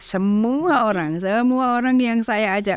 semua orang yang saya ajak